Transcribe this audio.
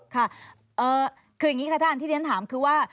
ค่ะคืออย่างนี้ค่ะท่านที่เรียนถามคือว่า